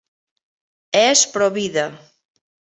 És provida.